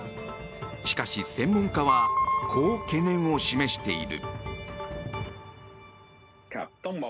しかし、専門家はこう懸念を示している。